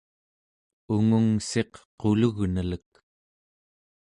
ungungssiq qulugnelek